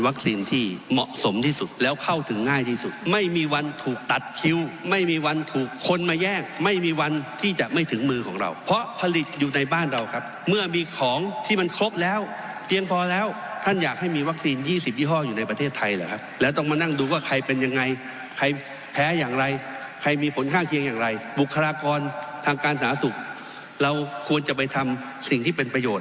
วัคซีนที่เหมาะสมที่สุดแล้วเข้าถึงง่ายที่สุดไม่มีวันถูกตัดคิวไม่มีวันถูกคนมาแย่งไม่มีวันที่จะไม่ถึงมือของเราเพราะผลิตอยู่ในบ้านเราครับเมื่อมีของที่มันครบแล้วเพียงพอแล้วท่านอยากให้มีวัคซีนยี่สิบยี่ห้ออยู่ในประเทศไทยแล้วครับแล้วต้องมานั่งดูว่าใครเป็นยังไงใครแพ้อย่างไรใครมีผลค่าเคี